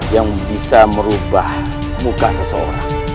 yang bisa merubah muka seseorang